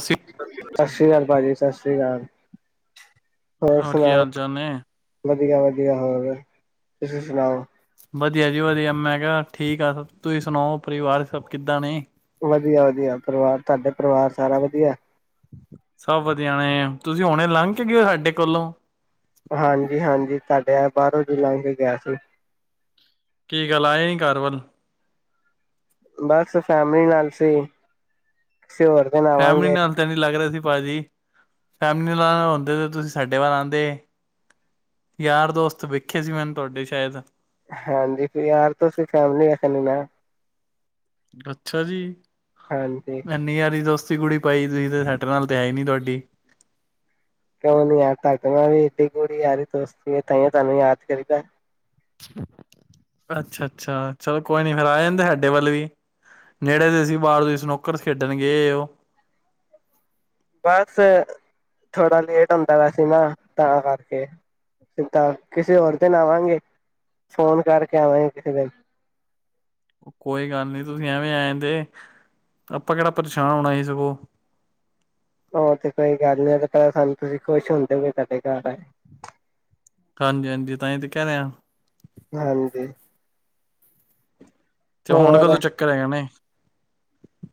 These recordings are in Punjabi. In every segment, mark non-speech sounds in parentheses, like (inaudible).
ਸ਼੍ਰੀ ਅਕਾਲ। ਸ੍ਰੀ ਅਕਾਲ ਭਾਜੀ ਸਤਿ ਸ਼੍ਰੀ ਅਕਾਲ ਹੋਰ ਕੀ ਸੁਣਾਓ ਹਾਲ ਚਾਲ ਨੇ? ਵਧੀਆ ਵਧੀਆ ਹੋਰ ਫਿਰ ਤੁਸੀਂ ਸੁਣਾਓ ਵਧੀਆ ਜੀ ਵਧੀਆ ਮੈਂ ਕਿਹਾ ਠੀਕ ਆ ਤੁਸੀਂ ਸੁਣਾਓ ਪਰਿਵਾਰ ਸਭ ਕਿੱਦਾਂ ਨੇ ਵਧੀਆ ਵਧੀਆ ਪਰਿਵਾਰ ਤੁਹਾਡੇ ਪਰਿਵਾਰ ਸਾਰਾ ਵਧੀਆ ਸਭ ਵਧੀਆ ਨੇ ਤੁਸੀਂ ਹੁਣੇ ਲੰਘ ਕੇ ਗਏ ਹੋ ਸਾਡੇ ਕੋਲੋਂ ਹਾਂਜੀ ਹਾਂਜੀ ਤੁਹਾਡੇ ਆ ਬਾਹਰੋਂ ਜੀ ਲਾਂਘ ਕੇ ਗਿਆ ਸੀ ਕੀ ਗੱਲ ਆਏ ਨੀ ਕਰ ਵੱਲ ਬਸ ਫੈਮਲੀ ਨਾਲ ਸੀ ਸ਼ ਹੋਰ ਤੇ ਨਾ ਫੈਮਿਲੀ ਆਵਾਂਗੇ ਨਾਲ ਤਾਂ ਨੀ ਲੱਗ ਰਿਹਾ ਸੀ ਭਾਜੀ ਫੈਮਲੀ ਨਾਲ ਆਉਦੇ ਤੇ ਤੁਸੀਂ ਸਾਡੇ ਵੱਲ ਆਉਂਦੇ ਯਾਰ ਦੋਸਤ ਵੇਖੇ ਸੀ ਮੈਨੂੰ ਤੁਹਾਡੇ ਸ਼ਾਇਦ ਹਾਂਜੀ ਕੋ ਯਾਰ ਤੁਸੀ ਫੈਮਲੀ ਵਖਣੀ ਨਾ ਅੱਛਾ ਜੀ ਹਾਂਜੀ ਇਨੀ ਯਾਰੀ ਦੋਸਤ ਕੁੜੀ ਪਾਈ ਤੁਸੀਂ ਤੇ ਸੈਟਰ ਨਾਲ ਹੈ ਹੀ ਨੀ ਤੁਹਾਡੀ ਕਿਉਂ ਨੀ ਯਾਰ ਤਦਾ ਮੈਂ ਵੀ ਇਏਡੀ ਗੂੜੀ ਯਾਰ ਦੋਸਤੀ ਤ ਤੁਹਾਨੂੰ ਯਾਦ ਕਰੀਦਾ ਅੱਛਾ ਅੱਛਾ ਚਲੋ ਕੋਈ ਨੀ ਫੇਿਰ ਆ ਜਾਂਦੇ ਸਾਡੇ ਵੱਲ ਵੀ ਨੇੜੇ ਤੇ ਸੀ ਬਾਹਰੋਂ ਸਨੌਕਰ ਖੇਡਣ ਗਏ ਉਹ ਬਸ ਥੋੜਾ ਲੇਟ ਹੁੰਦਾ ਵੈਸੇ ਨਾ ਤਾਂ ਕਰਕੇ ਫ ਤਾਂ ਕਿਸੇ ਹੋਰ ਦਿਨ ਆਵਾਂਗੇ ਫੋਨ ਕਰਕੇ ਆਵਾਂਗੇ ਕਿਸੇ ਦਿਨ ਕੋਈ ਗੱਲ ਨਹੀਂੀ ਤੁਸੀਂ ਐਵੇਂ ਆਏਦੇ ਆਪਾਂ ਕਿਹੜਾ ਪਰੇਸ਼ਾਨ ਹੋਣਾ ਹੀ ਸਗੋ ਉਹ ਤੇ ਕੋਈ ਗੱਲ ਨੀ ਪ ਸਾਨੂੰ ਤੁਸੀਂ ਖੁਸ਼ ਹੁੰਦੇ ਹੋਏ ਕਡੇ ਘਰ ਆਏ ਹਾਂਜੀ ਹਾਂਜੀ ਤਾਂਹੀ ਤੇ ਕਹਿ ਰਿਹਾ ਹਾਂਜੀ। ਤੇ ਹੁਣ ਹੋਰ ਕਦੋਂ ਚੱਕਰ ਹੈਗਾਣੇ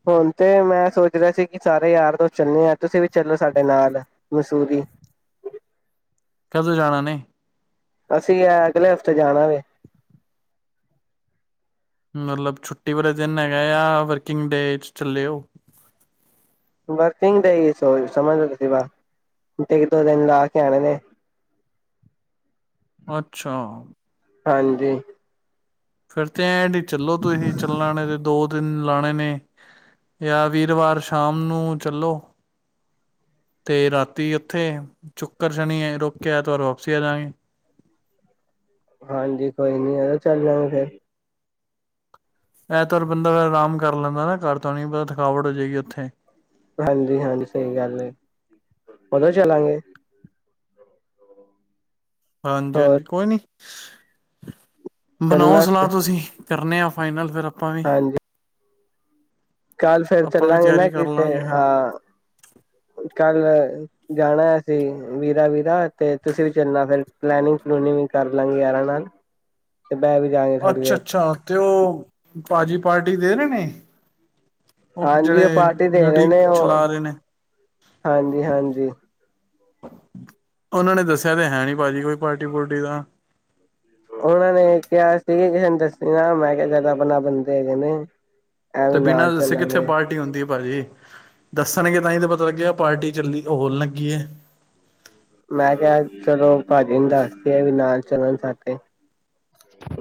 ਹੁਣ ਤੇ ਮੈਂ ਸੋਚ ਰਿਹਾ ਸੀ ਕਿ ਸਾਰੇ ਯਾਰ ਦੋਸਤ ਚੱਲੇ ਆਂ ਤੁਸੀਂ ਵੀ ਚੱਲੋ ਸਾਡੇ ਨਾਲ ਮਸੂਰੀ ਕਦੋਂ ਜਾਣਾ ਨੇ? ਅਸੀਂ ਅਗਲੇ ਹਫ਼ਤੇ ਜਾਣਾ ਵੇ। ਮਤਲਬ ਛੁੱਟੀ ਵਾਲੇ ਦਿਨ ਹੈਗਾ ਆ, ਯਾਂ ਵਰਕਿੰਗ ਡੇ ਚੱਲੇਓ। ਵਰਕਿੰਗ ਡੈ ਈ ਸੋ ਸਮਝਦਾ ਸੀ ਇੱਕ ਦੋ ਦਿਨ ਲਾ ਕੇ ਆਣੇ ਨੇ। ਅੱਛਾ। ਹਾਂਜੀ। ਫਿਰ ਤੇ ਐਂ ਚੱਲੋ ਤੁਸੀਂ ਚੱਲਣ ਨੇ ਦੋ ਦਿਨ ਲਾਣੇ ਨੇ ਜਾਂ ਵੀਰਵਾਰ ਸ਼ਾਮ ਨੂੰ ਚੱਲੋ ਤੇ ਰਾਤੀ ਉੱਥੇ ਸੁ਼ਕਰ ਸ਼ਨੀ ਰੋਕਕੇ ਐਤਵਾਰ ਵਾਪਸੀ ਆ ਜਾਗੇਂ। ਹਾਂਜੀ ਕੋਈ ਨੀ ਔਦੋਂ ਚੱਲ ਜਾਗੇਂ ਫੇਰ ਐਤਵਾਰ ਬੰਦਾ ਆਰਾਮ ਕਰ ਲੈਂਦਾ ਨਾ ਘਰ ਤੋਂ ਨੀ ਪਤਾ ਥਕਾਵਟ ਹੋ ਜਾਏਗੀ ਉੱਥੇ ਹਾਂਜੀ ਹਾਂਜੀ ਸਹੀ ਗੱਲ ਐ ਉਦੋਂ ਚਲਾਂਗੇ। ਹਾਂਜੀ ਹੋਰ ਹਾਂਜੀ ਕੋਈ ਨੀਂ। ਬਣਾਓ ਚੱਲਣਾ ਸਲਾਹ ਤੁਸੀਂ ਕਰਨੇ ਆ। ਫਾਈਨਲ ਫਿਰ ਆਪਾਂ ਵੀ ਹਾਂਜੀ। ਕੱਲ ਫੇਰ ਆਪਾਂ ਵੀ ਚੱਲਾਂਗੇ ਨਾ ਤਿਆਰੀ ਕਰ ਕਿਤੇ ਲਾਂਗੇ ਫਿਰ ਹਾਂ ਕੱਲ ਜਾਣਾ ਅਸੀਂ ਵੀਰਾ ਵੀਰਾ ਤੇ ਤੁਸੀਂ ਵੀ ਚੱਲਣਾ ਫਿਰ ਪਲੈਨਿੰਗ ਪਲੂਨਿੰਗ ਵੀ ਕਰ ਲਾਂਗੇ ਯਾਂਰਾਂ ਨਾਲ ਤੇ ਬਹਿ ਵੀ ਜਾਗੇ ਥੋੜ੍ਹੀ ਅੱਛਾ ਦੇਰ ਅੱਛਾ ਤੇ ਉਹ ਭਾਜੀ ਪਾਰਟੀ ਦੇ ਰੇ ਨੇ। ਹਾਂਜੀ, ਉਹ ਜਿਹੜੇ ਪਾਰਟੀ ਦੇ ਰਹੇ ਬਿਊਟੀਕ ਨੇ ਚਲਾ ਉਹ ਰਹੇ ਨੇ ਹਾਂਜੀ ਹਾਂਜੀ। ਉਹਨਾਂ ਨੇ ਦੱਸਿਆ ਤੇ ਹੈ ਨ੍ਹੀਂ ਭਾਜੀ ਕੋਈ ਪਾਰਟੀ ਪੁਰਟੀ ਦਾ। ਉਹਨਾਂ ਨੇ ਕਿਹਾ ਸੀ ਕਿਸੇ ਨੂੰ ਦਸੀਂ ਨਾਂ ਮੈਂ ਕਿਹਾ ਜਿਆਦਾ ਆਪਨਾ ਬੰਦੇ ਹੈਗੇ ਨੇ। ਤੇ ਐਵੇਂ ਬਿਨਾਂ ਨਾਲ ਦੱਸੇ ਕਿੱਥੇ ਚੱਲਾਂਗੇ ਪਾਰਟੀ ਹੁੰਦੀ ਐ ਭਾਜੀ। ਦੱਸਣਗੇ ਤਾਂ ਹੀ ਤਾਂ ਪਤਾ ਲੱਗਿਆ ਪਾਰਟੀ ਚੱਲੀ ਉਹ ਹੋਣ ਲੱਗੀ ਐ। ਮੈਂ ਕਿਹਾ ਚਲੋ ਭਾਜੀ ਨੂੰ ਦੱਸਦੀਏ ਵੀ ਨ ਚਲਣ ਸਾ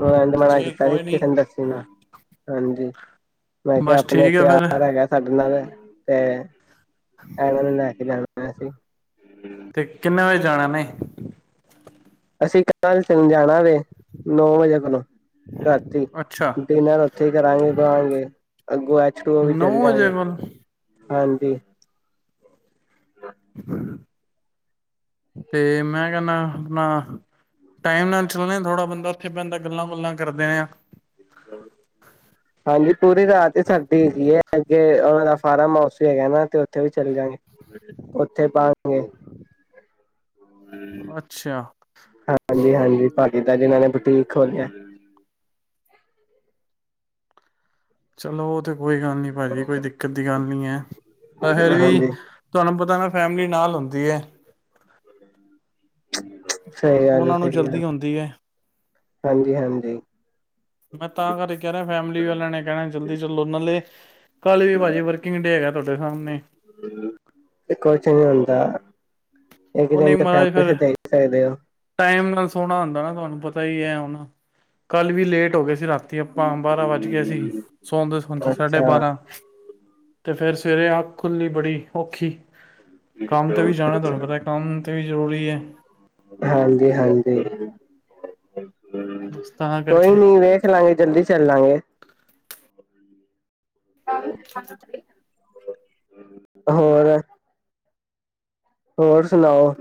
ਉਹ ਮਨਾ ਕੀਤਾ ਸੀ ਕਿਸੇ ਨੇ ਦੱਸੀ ਨਾ ਹਾਂਜੀ ਮੈਂ ਕਿਹਾ ਬਸ ਆਪਣੇ ਠੀਕ ਹੈ ਫਿਰ ਪਿਆਰ ਹੈਗਾ ਸਾਡੇ ਨਾਲ ਤੇ ਇਨ੍ਹਾਂ ਨੂੰ ਲੈਕੇ ਜਾਣਾ ਐ। ਮੈਸੇ ਤੇ ਕਿੰਨੇ ਵਜੇ ਜਾਣਾ ਨੇ ਅਸੀਂ ਕੱਲ ਚਲ ਜਾਣਾ ਵੇ ਨੌਂ ਵਜੇ ਕੋਲੋਂ ਰਾਤੀ ਅੱਛਾ ਡਿਨਰ ਉੱਥੇ ਈ ਕਰਾਂਗੇ, ਗਾਂ ਵੇਲੇ ਅੱਗੋਂ ਐਚੂ ਵੀ ਨੌ ਵਜੇ ਚਲਜਾਂਗੇਂ। ਕੋਲ ਹਾਂਜੀ ਤੇ ਮੈਂ ਕਹਿਨਾ ਆਪਣਾ ਟਾਈਮ ਨਾਲ ਚੱਲਣੇ ਥੋੜ੍ਹਾ ਬੰਦਾ ਉਥੇ ਬੈਹੰਦਾ ਗੱਲਾਂ ਗੁੱਲਾਂ ਕਰਦੇ ਨੇ ਆ ਹਾਂਜੀ ਪੂਰੀ ਰਾਤ ਹੀ ਸਰਦੀ ਦੀ ਹੈ ਅੱਗੇ ਉਹਨਾ ਦਾ ਫਾਰਮ ਹਾਊਸ ਵੀ ਹੈਗਾ ਨਾ ਤੇ ਉੱਥੇ ਵੀ ਚਲੇ ਜਾਗੇ ਉੱਥੇ ਪਾਗੇ ਅੱਛਾ ਦ ਜਿਨਾਂ ਨੇਠੀਕ ਹੋੋਲਿਆ ਚਲੋ ਉਹ ਤੇ ਕੋਈ ਗੱਲ ਨਹੀਂ ਭਾਜੀ ਕੋਈ ਦਿੱਕਤ ਦੀ ਗੱਲ ਨਹੀਂ ਹੈ ਤਾਂ ਫਿਰ ਵੀ ਹਾਂਜੀ ਤੁਹਾਨੂੰ ਪਤਾ ਨਾ ਫੈਮਿਲੀ ਨਾਲ ਹੁੰਦੀ ਹੈ (unintelligible) ਸਹੀ ਗੱਲ ਐ ਉਹਨਾਂ ਨੂੰ ਸਹੀ ਗੱਲ ਜਲਦੀ ਹੁੰਦੀ ਹੈ ਹਾਂਜੀ ਹਾਂਜੀ ਮੈਂ ਤਾਂ ਕਰ ਕਹਿ ਰਿਹਾ ਫੈਮਿਲੀ ਵਾਲਿਆਂ ਨੇ ਕਹਿਣਾ ਜਲਦੀ ਚਲੋ ਨਾਲੇ ਕੱਲ ਵੀ ਭਾਜੀ ਵਰਕਿੰਗ ਡੇ ਹੈਗਾ ਤੁਹਾਡੇ ਸਾਹਮਣੇ ਕੁਛ (inaudible) ਇੱਕ ਉਹ ਦਿਨ ਨਹੀਂ ਤਾਂ ਮਹਾਰਾਜ ਫੈਮਲੀ ਫਿਰ ਦੇ ਹੀ ਸਕਦੇ ਹੋ ਟਾਈਮ ਨਾਲ ਸੌਣਾ ਹੁੰਦਾ ਨਾ ਤੁਹਾਨੂੰ ਪਤਾ ਹੀ ਐ ਹੁਨ, ਕੱਲ ਵੀ ਲੇਟ ਟ ਹੋ ਗਏ ਸੀ ਰਾਤੀ ਆਪਾਂ ਬਾਰਾਂ ਵੱਜ ਗਏ ਸੀ ਸੌਂਦੇ-ਸੋਂਦੇ ਸਾਢੇ ਅੱਛਾ ਬਾਰਾਂ ਤੇ ਫਿਰ ਸਵੇਰੇ ਅੱਖ ਖੁੱਲ੍ਹੀ ਬੜੀ ਔਖੀ ਕੰਮ ਤੇ ਵੀ ਜਾਣਾ ਤੁਹਾਨੂੰ ਪਤਾ ਕੰਮ ਤੇ ਵੀ ਜ਼ਰੂਰੀ ਹੈ ਹਾਂਜੀ-ਹਾਂਜੀ ਬਸ ਤਾਂ ਕਰਕੇ ਕੋਈ ਨੀ ਵੇਖ ਲਾਂਗੇ ਜਲਦੀ ਚੱਲ ਲਾਂਗੇ (inaudible) ਹੋਰ ਹੋਰ ਸੁਣਾਓ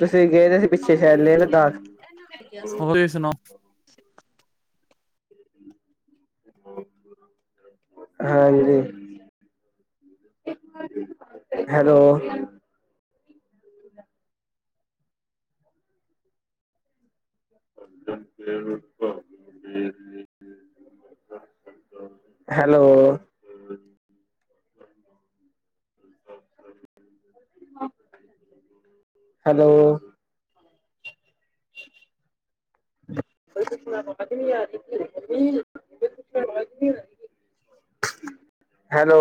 ਤੇ ਗਏ ਦੇ ਪਿੱਛੇ ਸ਼ੈਦ ਲੇਹ-ਲਦਾਖ ਹੋਰ ਤੁਸੀਂ ਸੁਣਾਓ ਹਾਂਜੀ (inaudible) ਹੈਲੋ (inaudible) ਹੈਲੋ ਹ ਹੈਲੋ (inaudible) ਹੈਲੋ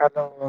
ਹੈਲੋ